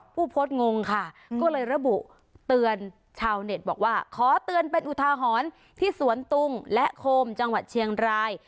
ผู้โพสต์งงค่ะก็เลยระบุเตือนชาวเน็ตบอกว่าขอเตือนเป็นอุทาหรณ์ที่สวนตุงและโคมจังหวัดเชียงราย